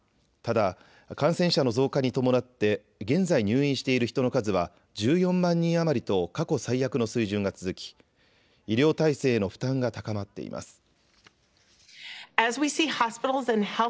ただ、感染者の増加に伴って現在、入院している人の数は１４万人余りと過去最悪の水準が続き、医療体制への負担が高まっています。